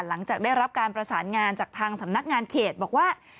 หลังจากได้รับการประสานงานจากทางสำนักงานเขตบอกว่า